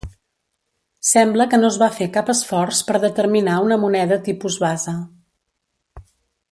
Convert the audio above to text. Sembla que no es va fer cap esforç per determinar una moneda tipus base.